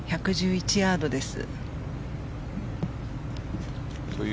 １１１ヤードです。